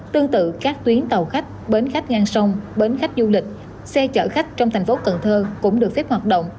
tương tự các tuyến tàu khách bến khách ngang sông bến khách du lịch xe chở khách trong thành phố cần thơ cũng được phép hoạt động